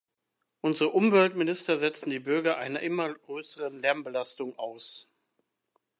Unsere Umweltminister setzen die Bürger einer immer größeren Lärmbelastung aus.